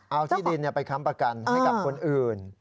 เอาที่ดินไปค้ำประกันให้กับคนอื่น